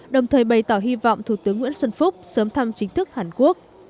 đồng thời bày tỏ hy vọng thủ tướng nguyễn xuân phúc sớm thăm chính thức hàn quốc